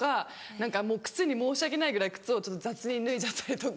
何かもう靴に申し訳ないぐらい靴を雑に脱いじゃったりとか。